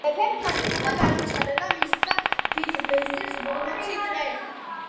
მეფემ თანხმობა განუცხადა და მისცა დიდ ვეზირს ორმოცი დღე